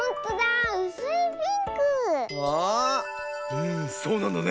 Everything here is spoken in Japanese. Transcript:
うんそうなんだね。